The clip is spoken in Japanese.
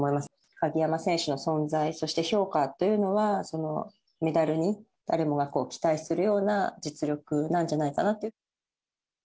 鍵山選手の存在、そして評価というのは、メダルに誰もが期待するような実力なんじゃないかな。